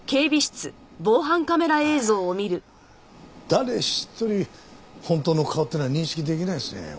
誰一人本当の顔っていうのは認識できないですねこれ。